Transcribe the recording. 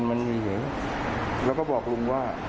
อืม